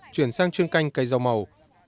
chuyển sang chuyên canh cây rau màu